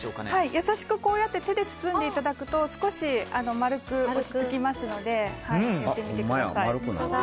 優しく手で包んでいただくと丸く落ち着きますのでやってみてください。